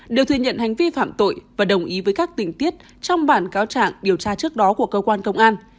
đều thừa nhận hành vi phạm tội và đồng ý với các tình tiết trong bản cáo trạng điều tra trước đó của cơ quan công an